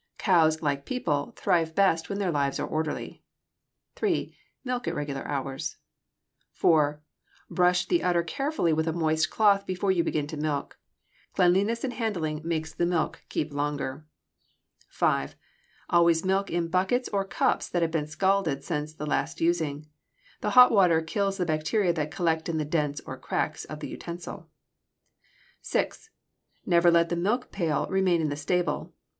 Cows, like people, thrive best when their lives are orderly. 3. Milk at regular hours. 4. Brush the udder carefully with a moist cloth before you begin to milk. Cleanliness in handling makes the milk keep longer. 5. Always milk in buckets or cups that have been scalded since the last using. The hot water kills the bacteria that collect in the dents or cracks of the utensil. 6. Never let the milk pail remain in the stable.